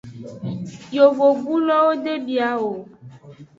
Yovogbulowo de bia o.